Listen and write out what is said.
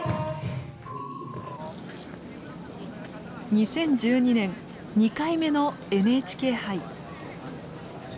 ２０１２年２回目のＮＨＫ杯。